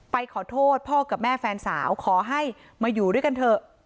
ขอโทษพ่อกับแม่แฟนสาวขอให้มาอยู่ด้วยกันเถอะ